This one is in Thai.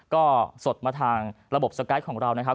ก็สดมาทางระบบสกายของเรานะครับ